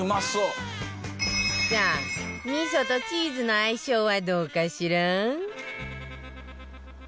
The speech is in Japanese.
さあ味噌とチーズの相性はどうかしら？